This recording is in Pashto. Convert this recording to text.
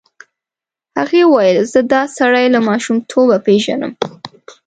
هغې وویل زه دا سړی له ماشومتوبه پېژنم.